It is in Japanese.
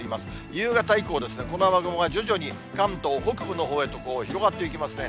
夕方以降、この雨雲が徐々に関東北部のほうへと広がっていきますね。